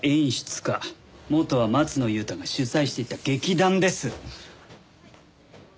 元は松野優太が主宰していた劇団です。